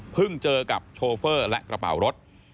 เจอกับโชเฟอร์และกระเป๋ารถ